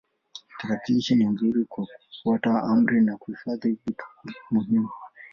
Tarakilishi ni nzuri kwa kufuata amri na kuhifadhi vitu muhimu.